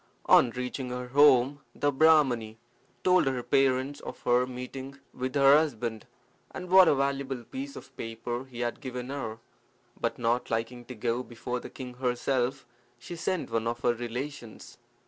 On reaching her home the Brahmani told her parents of her meeting with her husband, and what a valuable piece of paper he had given her; but not liking to go before the king herself, she sent one of her relations.